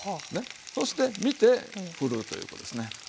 そして見てふるということですね。